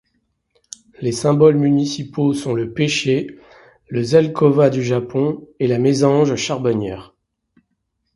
Les symboles municipaux sont le pêcher, le zelkova du Japon et la mésange charbonnière.